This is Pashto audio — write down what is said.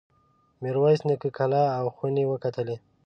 میرویس نیکه کلا او خونې وکتلې.